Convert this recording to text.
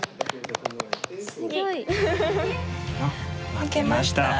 負けました。